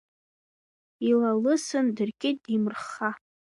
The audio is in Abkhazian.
Илалысын, дыркит деимрыхха.